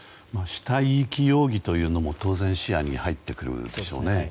死体遺棄容疑というのも当然、視野に入ってくるでしょうね。